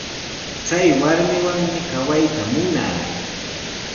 Chay warmiwanmi kawayta munaa.